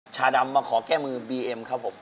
ชาดำมาขอแก้มือบีเอ็มครับผม